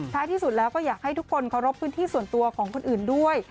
ที่สุดแล้วก็อยากให้ทุกคนเคารพพื้นที่ส่วนตัวของคนอื่นด้วย